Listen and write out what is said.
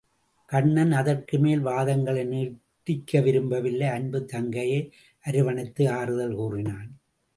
கண்ணன் அதற்கு மேல் வாதங்களை நீட்டிக்க விரும்பவில்லை அன்புத் தங்கையை அரவணைத்து ஆறுதல் கூறினான்.